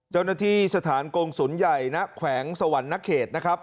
เจ้าหน้าที่สถานกงศูนย์ใหญ่ณแขวงสวรรณเขตนะครับ